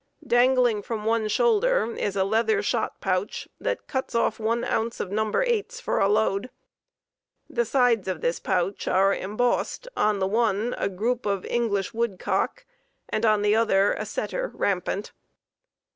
"Dangling from one shoulder is a leather shot pouch that cuts off one ounce of number eights for a load. The sides of this pouch are embossed, on the one a group of English woodcock, on the other a setter rampant.